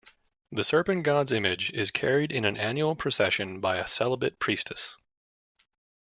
The serpent-god's image is carried in an annual procession by a celibate priestess.